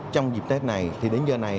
trong dịp tết này thì đến giờ này